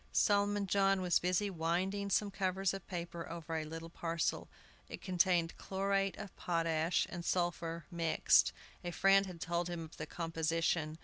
Solomon John was busy winding some covers of paper over a little parcel. It contained chlorate of potash and sulphur mixed. A friend had told him of the composition.